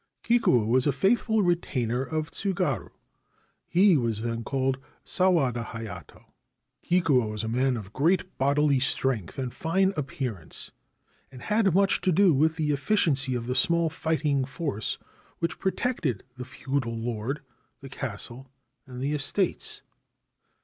Kikuo was a faithful retainer of Tsugaru ; he was then called Sawada Hayato. Kikuo was a man of great bodily strength and fine appearance, and had much to do with the efficiency of the small fighting force which protected the feudal lord, the castle, and the estates.